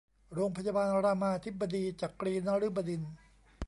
โรงพยาบาลรามาธิบดีจักรีนฤบดินทร์